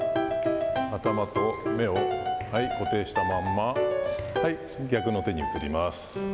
頭と目を固定したまんま、逆の手に移ります。